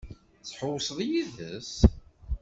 Ad tḥewwseḍ yid-s?